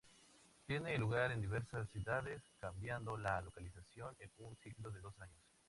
Tiene lugar en diversas ciudades, cambiando la localización en un ciclo de dos años.